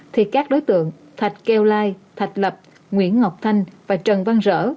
thì các đối tượng thạch keo lai thạch lập nguyễn ngọc thanh và trần văn rỡ